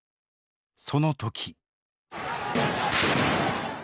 その時。